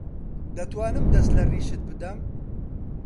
دەتوانم دەست لە ڕیشت بدەم؟